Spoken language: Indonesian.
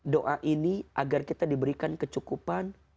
doa ini agar kita diberikan kecukupan